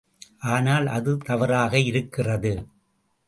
ஆனால் அது தவறாக இருக்கிறது.